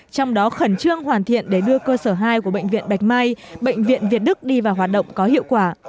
trong đó khẩn trương hoàn thiện để đưa cơ sở hai của bệnh viện bạch mai bệnh viện việt đức đi vào hoạt động có hiệu quả